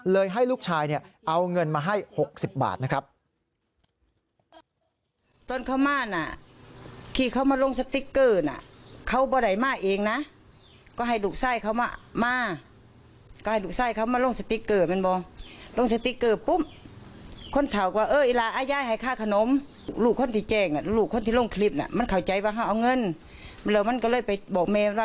ให้ลูกชายเอาเงินมาให้๖๐บาทนะครับ